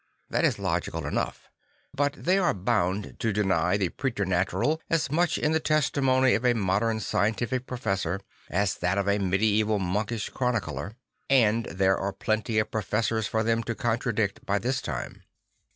Tha t is logical enough; but they are bound to deny the preternatural as much in the testimony of a modern scientific professor as in that of a medieval monkish chronicler. And there are plenty of professors for them to contradict by this time.